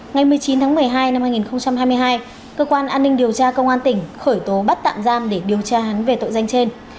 ngày một mươi chín tháng một mươi hai năm hai nghìn hai mươi hai cơ quan an ninh điều tra công an tỉnh khởi tố bắt tạm giam để điều tra hắn về tội danh trên